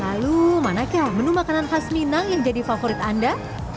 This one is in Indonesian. lalu manakah menu makanan khas minang yang jadi favorit anda